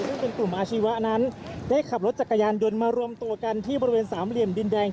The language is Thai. ซึ่งเป็นกลุ่มอาชีวะนั้นได้ขับรถจักรยานยนต์มารวมตัวกันที่บริเวณสามเหลี่ยมดินแดง